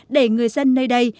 để người dân nơi đây